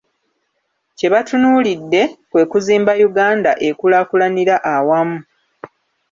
Kye batunuulidde, kwe kuzimba Uganda ekulaakulanira awamu.